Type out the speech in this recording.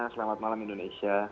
selamat malam indonesia